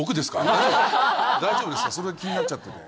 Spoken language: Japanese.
それだけ気になっちゃってて。